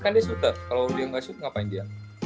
kan dia shooter kalau dia nggak shoot ngapain dia